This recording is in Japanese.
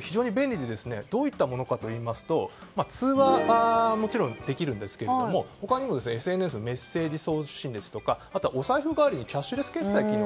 非常に便利でどういったものかといいますと通話はもちろんできるんですが他にもＳＮＳのメッセージ送信やあとはお財布代わりにキャッシュレス決済の機能